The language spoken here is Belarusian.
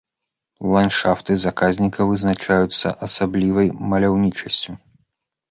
Ландшафты заказніка вызначаюцца асаблівай маляўнічасцю.